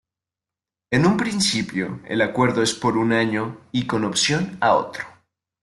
En un principio el acuerdo es por un año y con opción a otro.